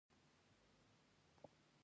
ژوندي د ژوندانه چیلنجونه قبلوي